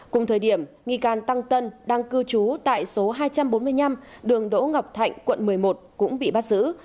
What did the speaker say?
cùng thời điểm nghi can tăng tân đang cư trú tại số hai trăm bốn mươi năm đường đỗ ngọc thạnh quận một mươi một cũng bị bắt giữ